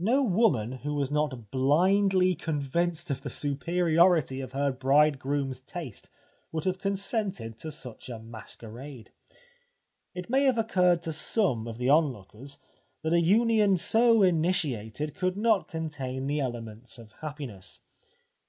No woman who was not blindly convinced of the superiority of her bridegroom's taste would have consented to such a masquerade. It may have occurred to some of the on lookers that a union so initiated could not contain the elements of happiness.